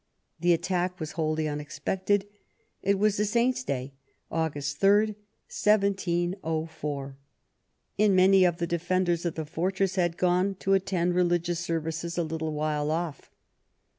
The attack was wholly unexpected. It was a saint's day, August 3, 1704, and many of the defenders of the fortress had gone to att€nd religious services a little way off.